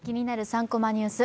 ３コマニュース」